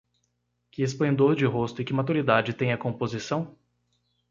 Que esplendor de rosto e que maturidade tem a composição?